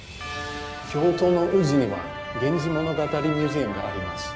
京都の宇治には源氏物語ミュージアムがあります。